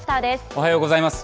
おはようございます。